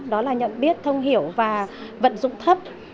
đó là nhận biết thông hiểu và vận dụng thấp